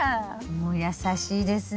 もう優しいですね。